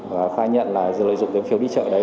và khai nhận là lợi dụng phiếu đi chợ đấy